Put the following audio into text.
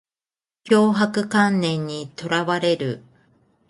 強迫観念にとらわれる